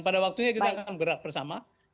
pada waktunya kita akan gerak bersama